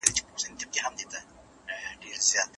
هیله په درنو او بې وسه قدمونو بېرته کوټې ته ننووتله.